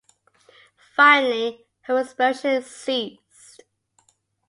Finally, her respiration ceased.